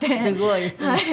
すごい。